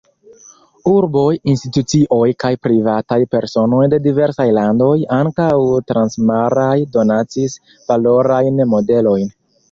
Urboj, institucioj kaj privataj personoj de diversaj landoj, ankaŭ transmaraj, donacis valorajn modelojn.